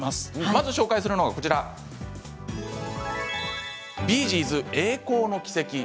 まず紹介するのは「ビー・ジーズ栄光の軌跡」。